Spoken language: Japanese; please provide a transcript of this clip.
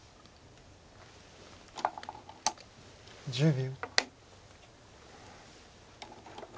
１０秒。